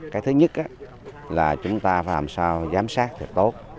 cái thứ nhất là chúng ta phải làm sao giám sát thật tốt